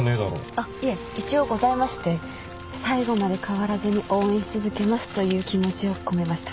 あっいえ一応ございまして最後まで変わらずに応援し続けますという気持ちを込めました。